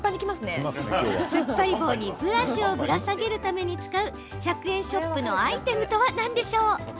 つっぱり棒にブラシをぶら下げるために使う１００円ショップのアイテムとは何でしょう？